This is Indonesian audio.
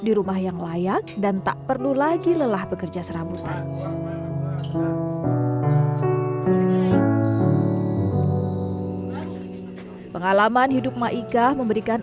di rumah yang layak dan tak perlu lagi lelah bekerja serabutan pengalaman hidup maika memberikan